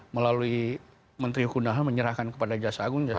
melalui menteri hukum undangan menyerahkan kepada jasa agung